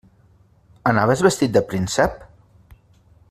Anaves vestit de príncep?